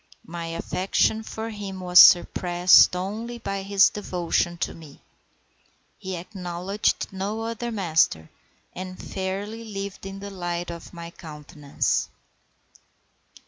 My affection for him was surpassed only by his devotion to me. He acknowledged no other master, and fairly lived in the light of my countenance.